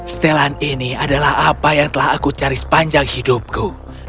setelan ini adalah apa yang telah aku cari sepanjang hidupku